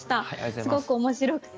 すごく面白くて。